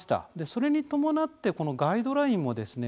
それに伴ってガイドラインもですね